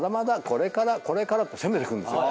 これからこれから」って攻めてくるんですよ。